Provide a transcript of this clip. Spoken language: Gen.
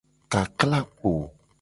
Kakla kpo.